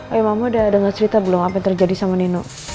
eh mamo udah denger cerita belum apa yang terjadi sama nino